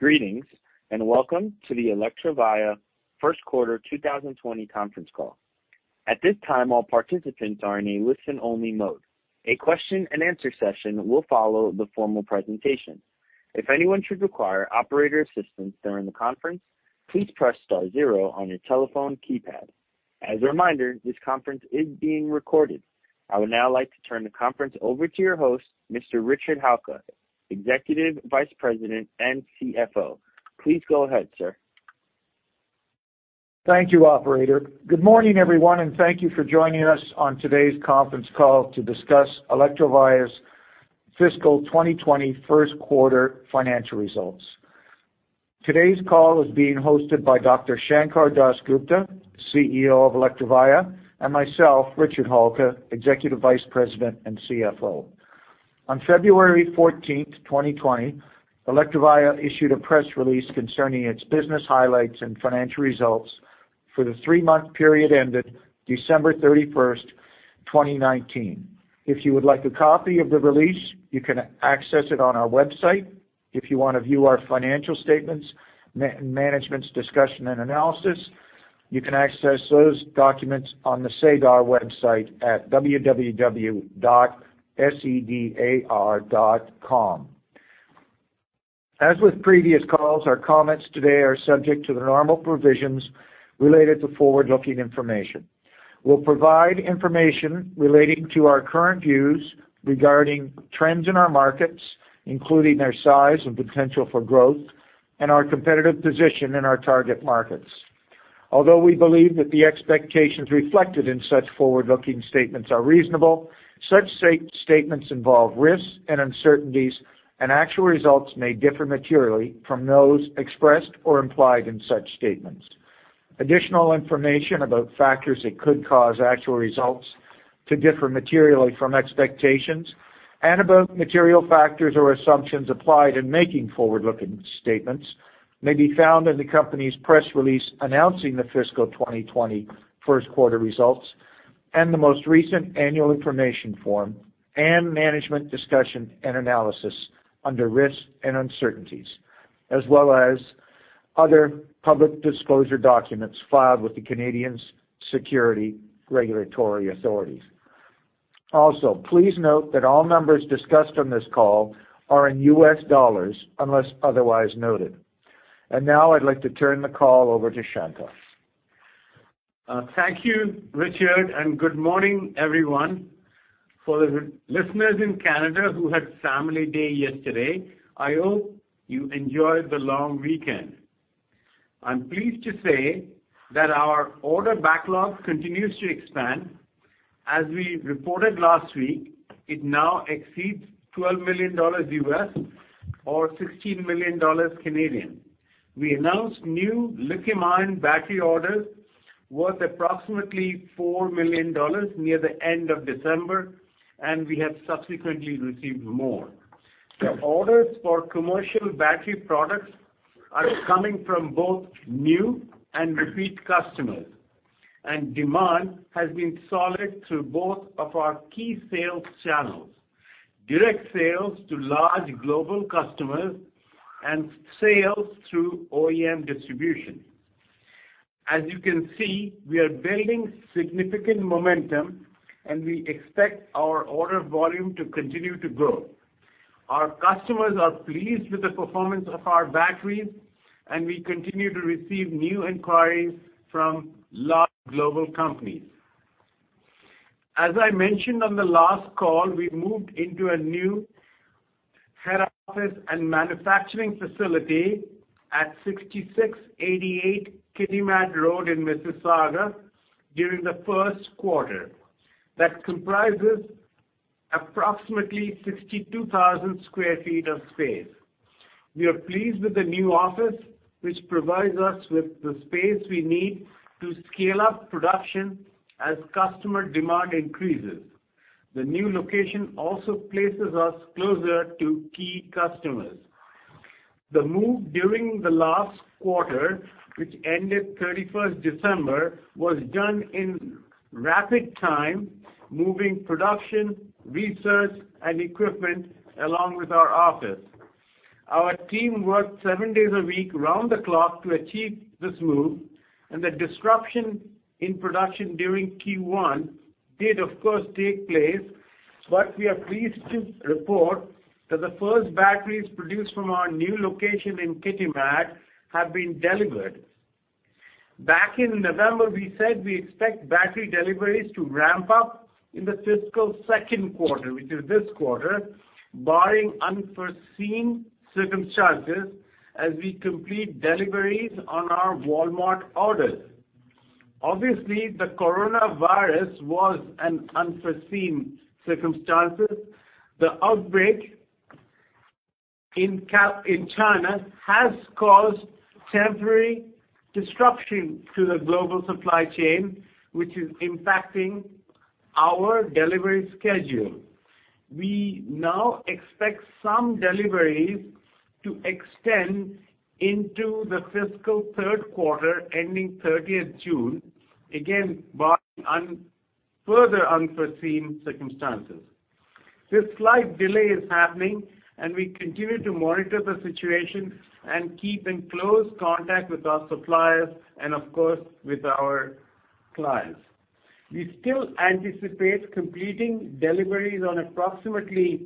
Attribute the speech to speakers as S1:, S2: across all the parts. S1: Greetings, and welcome to the Electrovaya First Quarter 2020 conference call. At this time, all participants are in a listen-only mode. A question and answer session will follow the formal presentation. If anyone should require operator assistance during the conference, please press star zero on your telephone keypad. As a reminder, this conference is being recorded. I would now like to turn the conference over to your host, Mr. Richard Halka, Executive Vice President and CFO. Please go ahead, sir.
S2: Thank you, operator. Good morning, everyone. Thank you for joining us on today's conference call to discuss Electrovaya's fiscal 2020 first quarter financial results. Today's call is being hosted by Dr. Sankar Das Gupta, CEO of Electrovaya, and myself, Richard Halka, Executive Vice President and CFO. On February 14, 2020, Electrovaya issued a press release concerning its business highlights and financial results for the three-month period ended December 31, 2019. If you would like a copy of the release, you can access it on our website. If you want to view our financial statements, Management's Discussion and Analysis, you can access those documents on the SEDAR website at www.sedar.com. As with previous calls, our comments today are subject to the normal provisions related to forward-looking information. We'll provide information relating to our current views regarding trends in our markets, including their size and potential for growth, and our competitive position in our target markets. Although we believe that the expectations reflected in such forward-looking statements are reasonable, such statements involve risks and uncertainties, and actual results may differ materially from those expressed or implied in such statements. Additional information about factors that could cause actual results to differ materially from expectations and about material factors or assumptions applied in making forward-looking statements may be found in the company's press release announcing the fiscal 2020 first quarter results and the most recent Annual Information form and Management Discussion and Analysis under risks and uncertainties, as well as other public disclosure documents filed with the Canadian securities regulatory authorities. Also, please note that all numbers discussed on this call are in US dollars unless otherwise noted. Now I'd like to turn the call over to Sankar.
S3: Thank you, Richard, and good morning, everyone. For the listeners in Canada who had Family Day yesterday, I hope you enjoyed the long weekend. I am pleased to say that our order backlog continues to expand. As we reported last week, it now exceeds $12 million or 16 million dollars. We announced new lithium-ion battery orders worth approximately $4 million near the end of December, and we have subsequently received more. The orders for commercial battery products are coming from both new and repeat customers, and demand has been solid through both of our key sales channels, direct sales to large global customers and sales through OEM distribution. As you can see, we are building significant momentum, and we expect our order volume to continue to grow. Our customers are pleased with the performance of our batteries, and we continue to receive new inquiries from large global companies. As I mentioned on the last call, we moved into a new head office and manufacturing facility at 6688 Kitimat Road in Mississauga during the first quarter. That comprises approximately 62,000 sq ft of space. We are pleased with the new office, which provides us with the space we need to scale up production as customer demand increases. The new location also places us closer to key customers. The move during the last quarter, which ended 31st December, was done in rapid time, moving production, research, and equipment along with our office. Our team worked seven days a week round the clock to achieve this move, and the disruption in production during Q1 did of course take place, but we are pleased to report that the first batteries produced from our new location in Kitimat have been delivered. Back in November, we said we expect battery deliveries to ramp up in the fiscal second quarter, which is this quarter, barring unforeseen circumstances as we complete deliveries on our Walmart orders. Obviously, the coronavirus was an unforeseen circumstance. The outbreak in China has caused temporary disruption to the global supply chain, which is impacting our delivery schedule. We now expect some deliveries to extend into the fiscal third quarter ending 30th June, again, barring further unforeseen circumstances. This slight delay is happening, and we continue to monitor the situation and keep in close contact with our suppliers and, of course, with our clients. We still anticipate completing deliveries on approximately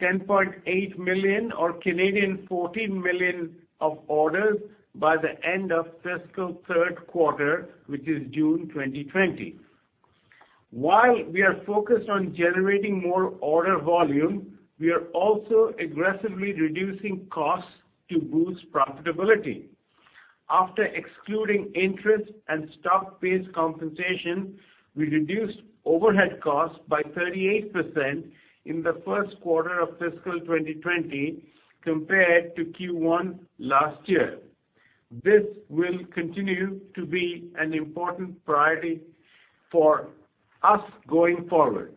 S3: $10.8 million or 14 million of orders by the end of fiscal third quarter, which is June 2020. While we are focused on generating more order volume, we are also aggressively reducing costs to boost profitability. After excluding interest and stock-based compensation, we reduced overhead costs by 38% in the first quarter of fiscal 2020 compared to Q1 last year. This will continue to be an important priority for us going forward.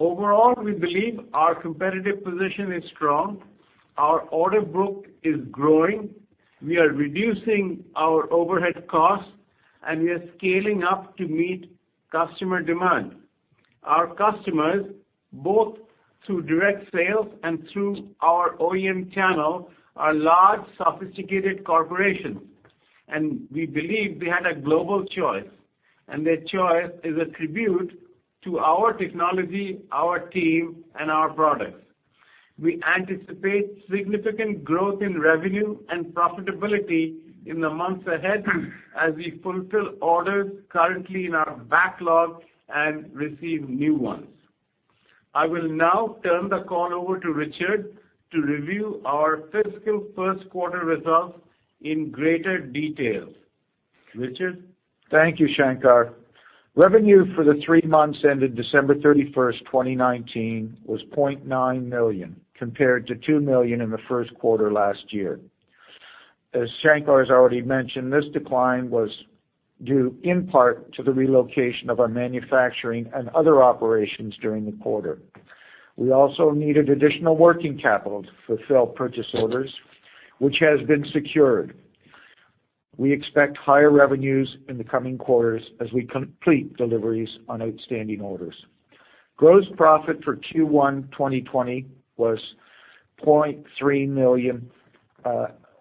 S3: Overall, we believe our competitive position is strong, our order book is growing, we are reducing our overhead costs, and we are scaling up to meet customer demand. Our customers, both through direct sales and through our OEM channel, are large, sophisticated corporations, and we believe they had a global choice, and their choice is a tribute to our technology, our team, and our products. We anticipate significant growth in revenue and profitability in the months ahead as we fulfill orders currently in our backlog and receive new ones. I will now turn the call over to Richard to review our fiscal first quarter results in greater detail. Richard?
S2: Thank you, Sankar. Revenue for the three months ended December 31st, 2019, was 0.9 million, compared to 2 million in the first quarter last year. As Sankar has already mentioned, this decline was due in part to the relocation of our manufacturing and other operations during the quarter. We also needed additional working capital to fulfill purchase orders, which has been secured. We expect higher revenues in the coming quarters as we complete deliveries on outstanding orders. Gross profit for Q1 2020 was 0.3 million,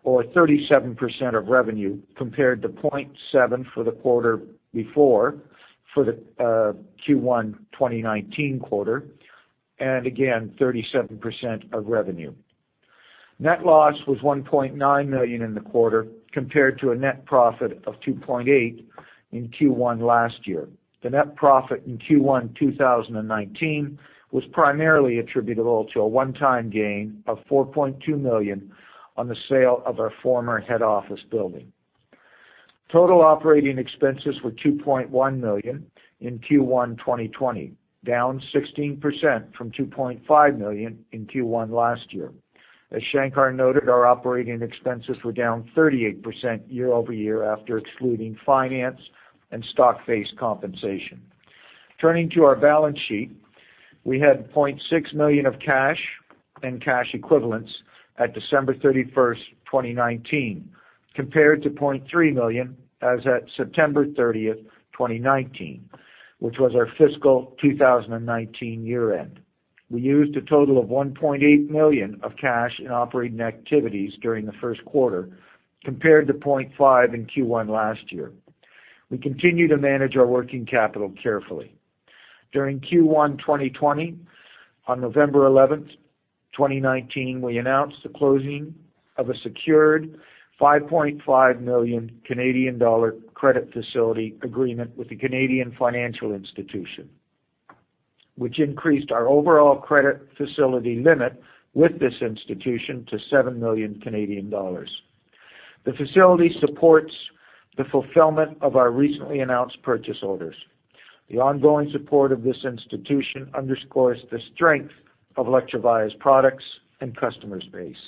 S2: or 37% of revenue, compared to 0.7 million for the quarter before for the Q1 2019 quarter, and again, 37% of revenue. Net loss was 1.9 million in the quarter, compared to a net profit of 2.8 million in Q1 last year. The net profit in Q1 2019 was primarily attributable to a one-time gain of 4.2 million on the sale of our former head office building. Total operating expenses were $2.1 million in Q1 2020, down 16% from $2.5 million in Q1 last year. As Sankar noted, our operating expenses were down 38% year-over-year after excluding finance and stock-based compensation. Turning to our balance sheet, we had $0.6 million of cash and cash equivalents at December 31st, 2019, compared to $0.3 million as at September 30th, 2019, which was our fiscal 2019 year-end. We used a total of $1.8 million of cash in operating activities during the first quarter, compared to $0.5 million in Q1 last year. We continue to manage our working capital carefully. During Q1 2020, on November 11th, 2019, we announced the closing of a secured 5.5 million Canadian dollar credit facility agreement with the Canadian financial institution, which increased our overall credit facility limit with this institution to 7 million Canadian dollars. The facility supports the fulfillment of our recently announced purchase orders. The ongoing support of this institution underscores the strength of Electrovaya's products and customer space.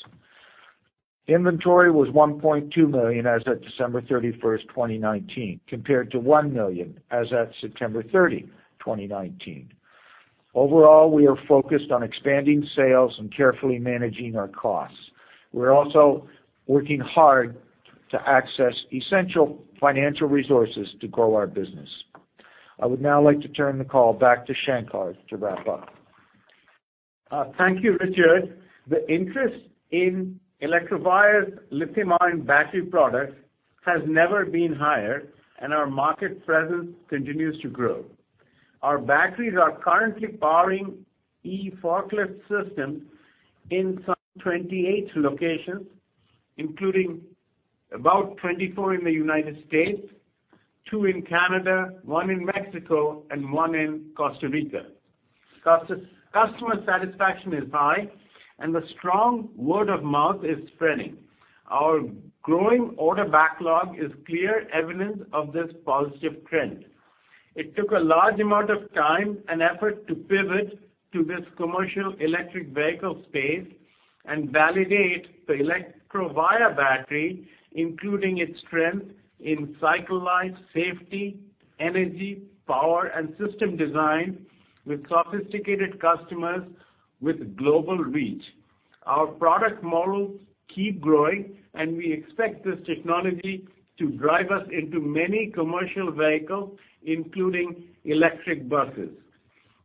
S2: Inventory was $1.2 million as at December 31st, 2019, compared to $1 million as at September 30, 2019. Overall, we are focused on expanding sales and carefully managing our costs. We're also working hard to access essential financial resources to grow our business. I would now like to turn the call back to Sankar to wrap up.
S3: Thank you, Richard. The interest in Electrovaya's lithium-ion battery products has never been higher, and our market presence continues to grow. Our batteries are currently powering e-forklift systems in some 28 locations, including about 24 in the U.S., two in Canada, one in Mexico, and one in Costa Rica. Customer satisfaction is high, and the strong word of mouth is spreading. Our growing order backlog is clear evidence of this positive trend. It took a large amount of time and effort to pivot to this commercial electric vehicle space and validate the Electrovaya battery, including its strength in cycle life, safety, energy, power, and system design with sophisticated customers with global reach. Our product models keep growing, and we expect this technology to drive us into many commercial vehicles, including electric buses.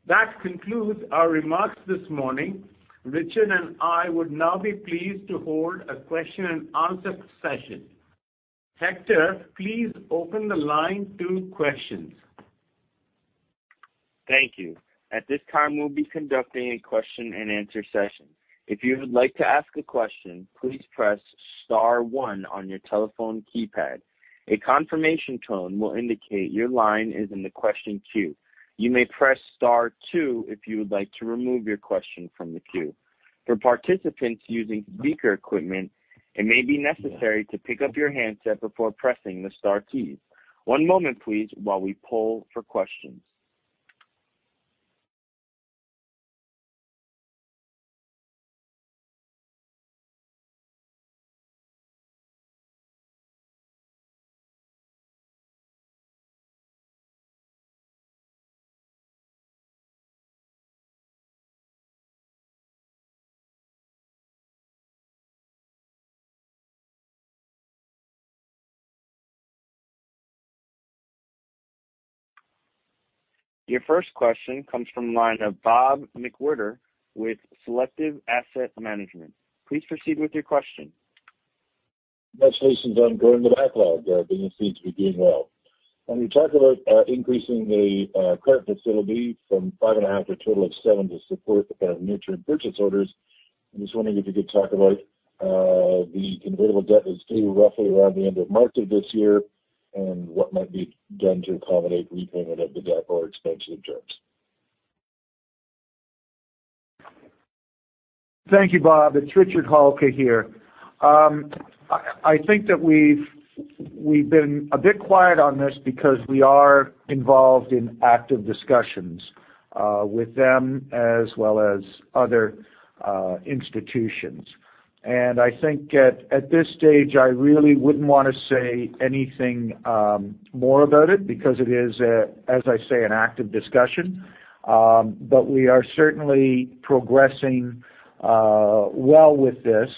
S3: That concludes our remarks this morning. Richard and I would now be pleased to hold a question and answer session. Hector, please open the line to questions.
S1: Thank you. At this time, we'll be conducting a question and answer session. If you would like to ask a question, please press star one on your telephone keypad. A confirmation tone will indicate your line is in the question queue. You may press star two if you would like to remove your question from the queue. For participants using speaker equipment, it may be necessary to pick up your handset before pressing the star keys. One moment, please, while we poll for questions. Your first question comes from the line of Bob McWhirter with Selective Asset Management. Please proceed with your question.
S4: Congratulations on growing the backlog. Business seems to be doing well. When you talk about increasing the current facility from five and a half to a total of 7 to support the kind of maturing purchase orders, I'm just wondering if you could talk about the convertible debt that's due roughly around the end of March of this year and what might be done to accommodate repayment of the debt or extension terms?
S2: Thank you, Bob. It's Richard Halka here. I think that we've been a bit quiet on this because we are involved in active discussions with them as well as other institutions. I think at this stage, I really wouldn't want to say anything more about it because it is, as I say, an active discussion. We are certainly progressing well with this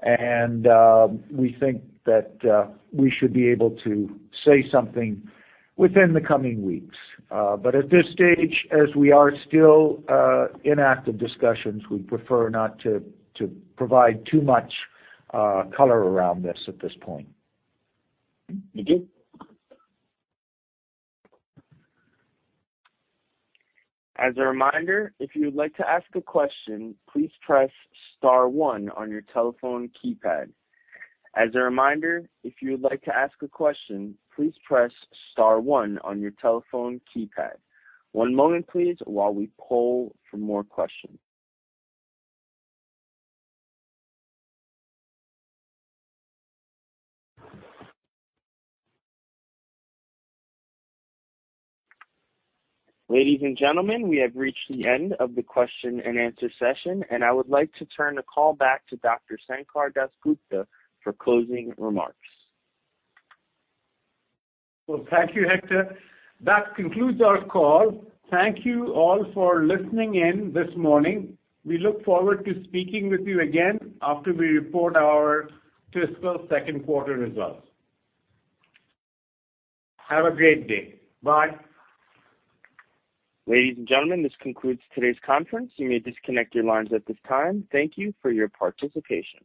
S2: and we think that we should be able to say something within the coming weeks. At this stage, as we are still in active discussions, we prefer not to provide too much color around this at this point.
S3: Thank you.
S1: As a reminder, if you would like to ask a question, please press star one on your telephone keypad. One moment, please, while we poll for more questions. Ladies and gentlemen, we have reached the end of the question and answer session, and I would like to turn the call back to Dr. Sankar Das Gupta for closing remarks.
S3: Well, thank you, Hector. That concludes our call. Thank you all for listening in this morning. We look forward to speaking with you again after we report our fiscal second quarter results. Have a great day. Bye.
S1: Ladies and gentlemen, this concludes today's conference. You may disconnect your lines at this time. Thank you for your participation.